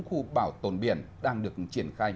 khu bảo tồn biển đang được triển khai